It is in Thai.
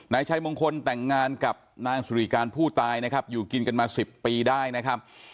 นายชัยมงคลแต่งงานกับนางสุริการผู้ตายนะครับอยู่กินกันมา๑๐ปีได้นะครับ